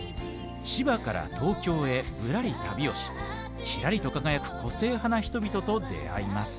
千葉から東京へ、ぶらり旅をしきらりと輝く個性派な人々と出会います。